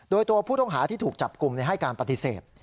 โดยตัวผู้ต้องหาที่ถูกจับกลุ่มให้การปฏิเสธ